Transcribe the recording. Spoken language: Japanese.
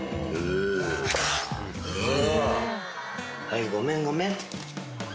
はいごめんごめん。